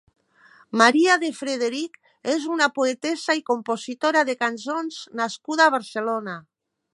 Maria de Frederic és una poetessa i compositora de cançons nascuda a Barcelona.